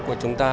của chúng ta